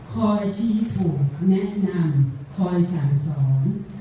คอยชี้ถูกแนะนำคอยสั่งสอน